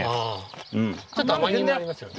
ちょっと甘みもありますよね。